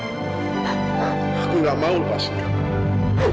aku gak mau lepasin kamu